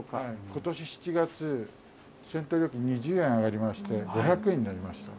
ことし７月、銭湯料金、２０円上がりまして、５００円になりました。